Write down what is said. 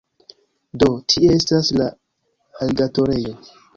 Do, tie estas la aligatorejo